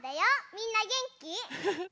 みんなげんき？